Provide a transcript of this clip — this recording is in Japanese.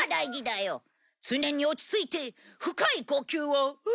常に落ち着いて深い呼吸をスウ！